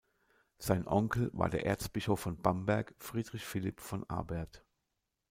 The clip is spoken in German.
Sein Onkel war der Erzbischof von Bamberg, Friedrich Philipp von Abert.